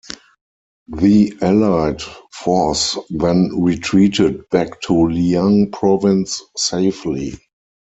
The allied force then retreated back to Liang Province safely.